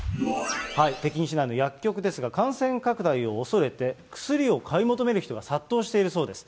北京市内の薬局ですが、感染拡大を恐れて、薬を買い求める人が殺到しているそうです。